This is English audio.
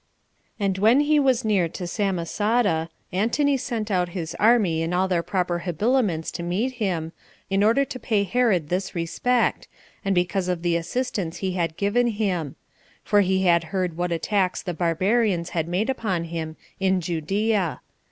9. And when he was near to Samosata, Antony sent out his army in all their proper habiliments to meet him, in order to pay Herod this respect, and because of the assistance he had given him; for he had heard what attacks the barbarians had made upon him [in Judea].